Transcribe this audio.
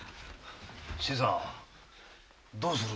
新さんどうするんで？